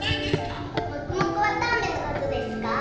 もくもくわたあめのことですか？